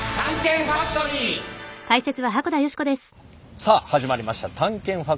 さあ始まりました「探検ファクトリー」。